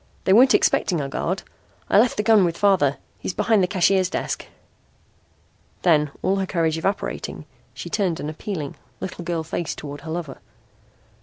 They weren't expecting a guard. I left the gun with father. He's behind the cashier's desk." Then, all her courage evaporating, she turned an appealing, little girl face toward her lover.